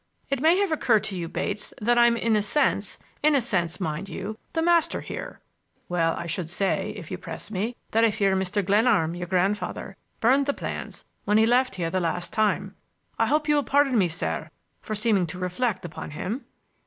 It may have occurred to you, Bates, that I'm in a sense—in a sense, mind you—the master here." "Well, I should say, if you press me, that I fear Mr. Glenarm, your grandfather, burned the plans when he left here the last time. I hope you will pardon me, sir, for seeming to reflect upon him."